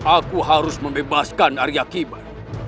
aku harus membebaskan arya kita